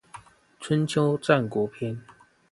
春秋戰國篇